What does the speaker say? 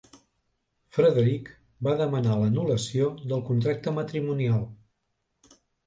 Frederic va demanar l'anul·lació del contracte matrimonial.